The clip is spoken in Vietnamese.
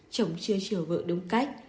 chồng chưa chiều vợ đúng cách